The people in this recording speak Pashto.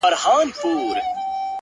خدایه چي د مرگ فتواوي ودروي نور _